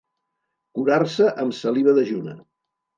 Curar-se amb saliva dejuna.